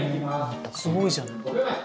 すごいじゃない。